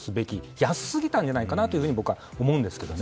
安すぎたんじゃないかなと僕は思うんですけどね。